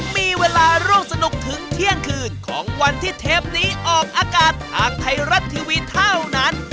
มีเวลาร่วมสนุกถึงเที่ยงคืนของวันที่เทปนี้ออกอากาศทางไทยรัฐทีวีเท่านั้น